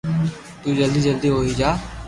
تو جلدو جلدو ھوئي جائيو